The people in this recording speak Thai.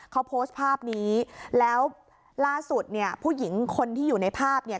เขาโพสต์ภาพนี้แล้วล่าสุดเนี่ยผู้หญิงคนที่อยู่ในภาพเนี่ย